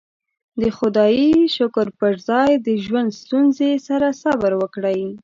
د خدايې شکر پر ځای د ژوند ستونزې سره صبر وکړئ.